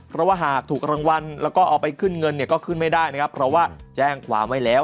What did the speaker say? เพราะว่าหากถูกรางวัลแล้วก็เอาไปขึ้นเงินเนี่ยก็ขึ้นไม่ได้นะครับเพราะว่าแจ้งความไว้แล้ว